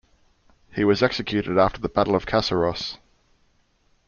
He was executed after the battle of Caseros.